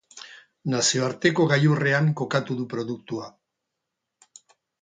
Nazioarteko gailurrean kokatu du produktua.